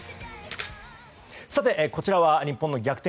さて、こちらは日本の逆転